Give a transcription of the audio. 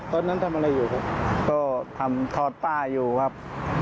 ตอนนั้นทำอะไรอยู่ครับก็ทำถอดป้าอยู่ครับ